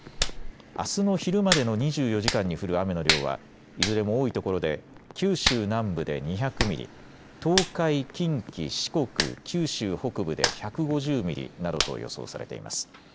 あすの昼までの２４時間に降る雨の量はいずれも多いところで九州南部で２００ミリ、東海、近畿、四国、九州北部で１５０ミリなどと予想されています。